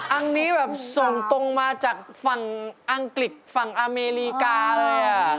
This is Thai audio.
อันนี้แบบส่งตรงมาจากฝั่งอังกฤษฝั่งอเมริกาเลย